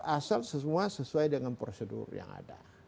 asal semua sesuai dengan prosedur yang ada